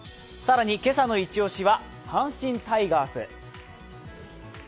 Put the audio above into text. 更に今朝のイチ押しは阪神タイガース。